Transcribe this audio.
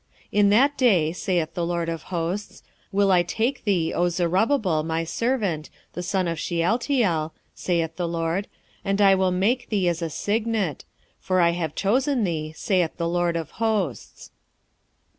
2:23 In that day, saith the LORD of hosts, will I take thee, O Zerubbabel, my servant, the son of Shealtiel, saith the LORD, and will make thee as a signet: for I have chosen thee, saith the LORD of hosts.